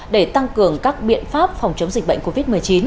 để tăng cường các biện pháp phòng chống dịch bệnh covid một mươi chín